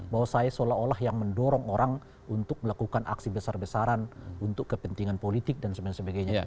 bahwa saya seolah olah yang mendorong orang untuk melakukan aksi besar besaran untuk kepentingan politik dan sebagainya